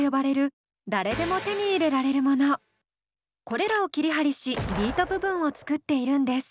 これらを切り貼りしビート部分を作っているんです。